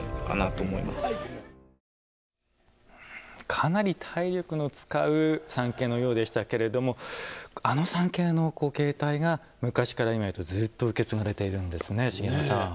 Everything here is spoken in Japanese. かなり体力の使う参詣のようでしたけれどもあの参詣の形態が昔から今へとずっと受け継がれているんですね茂山さん。